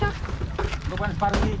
lupakan separuh ini